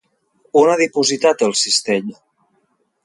On ha dipositat el cistell?